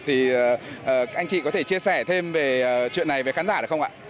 thì anh chị có thể chia sẻ thêm về chuyện này với khán giả được không ạ